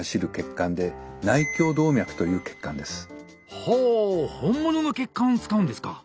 ほ本物の血管を使うんですか。